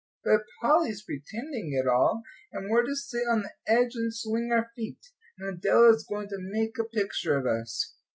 But Polly's pretending it all; and we're to sit on the edge and swing our feet. And Adela is going to make a picture of us."